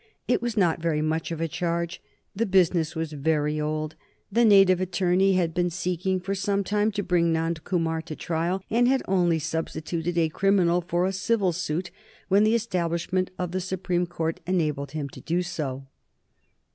It was not very much of a charge. The business was very old. The native attorney had been seeking for some time to bring Nand Kumar to trial, and had only substituted a criminal for a civil suit when the establishment of the Supreme Court enabled him to do so.